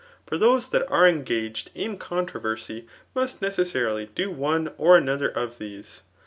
For those that are engaged in controversy must necessarily do one or other of these.